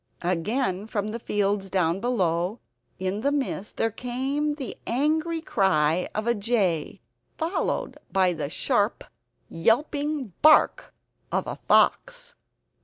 Again from the fields down below in the mist there came the angry cry of a jay, followed by the sharp yelping bark of a fox!